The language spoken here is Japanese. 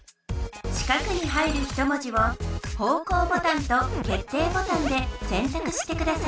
四角に入る一文字を方向ボタンと決定ボタンで選たくしてください